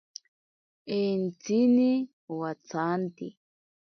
Entsini watsanti.